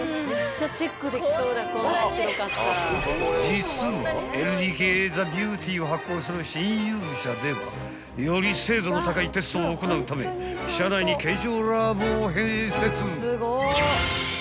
［実は『ＬＤＫｔｈｅＢｅａｕｔｙ』を発行する晋遊舎ではより精度の高いテストを行うため社内に検証ラボを併設］